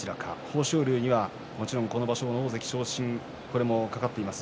豊昇龍にはこの場所大関昇進も懸かっていました。